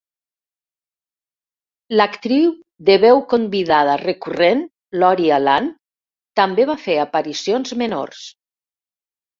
L'actriu de veu convidada recurrent Lori Alan també va fer aparicions menors.